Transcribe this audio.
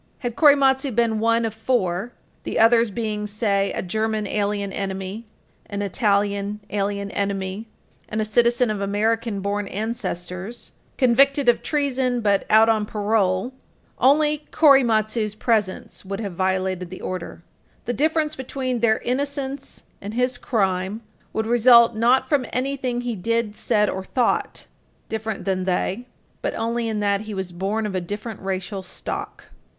Had Korematsu been one of four the others being, say, a German alien enemy, an Italian alien enemy, and a citizen of American born ancestors, convicted of treason but out on parole only Korematsu's presence would have violated the order. The difference between their innocence and his crime would result, not from anything he did, said, or thought, different than they, but only in that he was born of different racial stock.